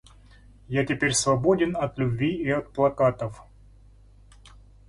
Я теперь свободен от любви и от плакатов.